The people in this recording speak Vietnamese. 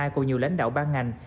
còn nhiều lãnh đạo ban ngành